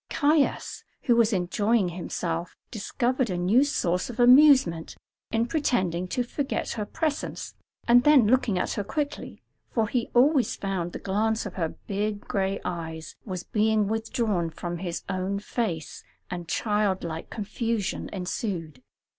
Caius, who was enjoying himself, discovered a new source of amusement in pretending to forget her presence and then looking at her quickly, for he always found the glance of her big gray eyes was being withdrawn from his own face, and child like confusion ensued.